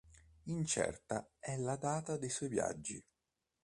Incerta è la data dei suoi viaggi.